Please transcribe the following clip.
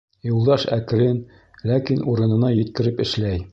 Юлдаш әкрен, ләкин урынына еткереп эшләй.